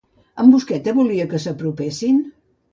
En Busqueta volia que s'apropessin?